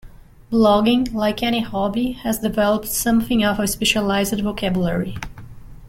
Blogging, like any hobby, has developed something of a specialised vocabulary.